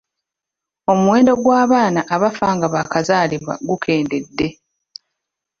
Omuwendo gw’abaana abafa nga baakazaalibwa gukendedde.